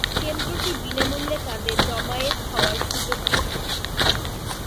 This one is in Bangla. কেন্দ্রটি বিনামূল্যে তাদের জমায়েত হওয়ার সুযোগ দিয়ে থাকে।